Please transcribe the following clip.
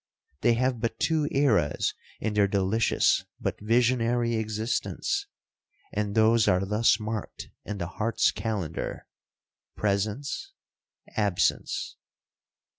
They have but two eras in their delicious but visionary existence,—and those are thus marked in the heart's calendar—presence—absence.